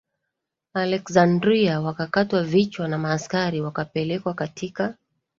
Aleksandria Wakakatwa vichwa na maaskari wakapelekwa katika